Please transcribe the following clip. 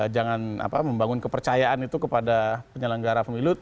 jangan membangun kepercayaan itu kepada penyelenggara pemilu